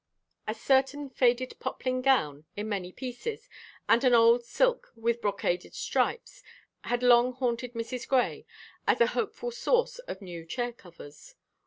A certain faded poplin gown, in many pieces, and an old silk with brocaded stripes had long haunted Mrs. Grey as a hopeful source of new chair covers.